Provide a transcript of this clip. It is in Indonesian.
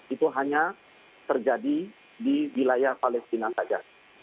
itu hanya terjadi di wilayah palestina saja